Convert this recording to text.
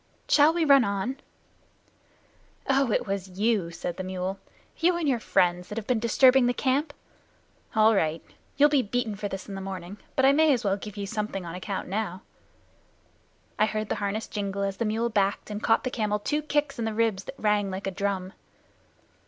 "Shall we run on?" "Oh, it was you," said the mule, "you and your friends, that have been disturbing the camp? All right. You'll be beaten for this in the morning. But I may as well give you something on account now." I heard the harness jingle as the mule backed and caught the camel two kicks in the ribs that rang like a drum.